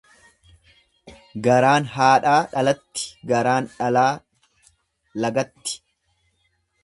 Garaan haadhaa dhalatti garaan dhalaa lagatti.